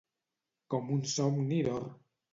Com un somni d'or.